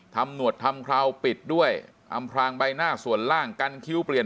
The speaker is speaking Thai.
หนวดทำคราวปิดด้วยอำพลางใบหน้าส่วนล่างกันคิ้วเปลี่ยน